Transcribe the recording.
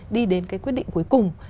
đi đến cái quyết định cuối cùng